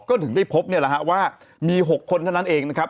ก็ถึงได้พบว่ามี๖คนเท่านั้นเองนะครับ